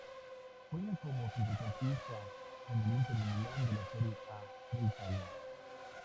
Juega como centrocampista en el Inter de Milán de la Serie A de Italia.